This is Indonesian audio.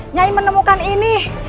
nyai menemukan ini